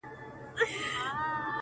• شاعره خداى دي زما ملگرى كه.